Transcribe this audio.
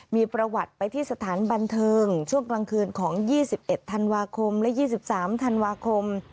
มีประวัติไปที่สถานบันเทิงช่วงกลางคืนของ๒๑ธันวาคมและ๒๓ธันวาคม